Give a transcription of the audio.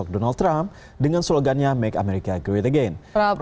dengan slogannya make america great again